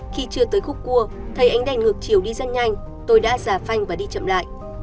khi chưa tới khúc cua thấy ánh đèn ngược chiều đi rất nhanh tôi đã giả phanh và đi chậm lại